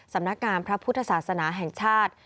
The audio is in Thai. สำนักงามพระพุทธศาสนาแห่งชาติ